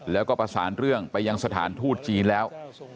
แล้วก็ประสานเรื่องไปยังสถานทูตจีนแล้ว